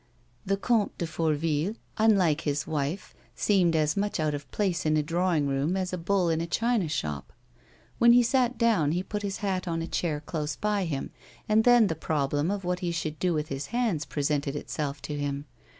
The Comte de Fourville, unlike his wife, seemed as much out of place in a drawing room as a bull in a china shop. When he sat down he put his hat on a chair close by him, and then the problem of what he should do with his hands pre sented itself to him.